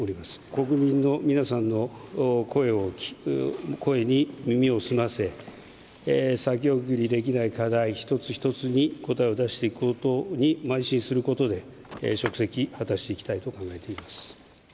国民の皆さんの声を聞き、声に耳を澄ませ、先送りできない課題一つ一つに答えを出していくことにまい進することで、職責を果たしていきたいと考えています。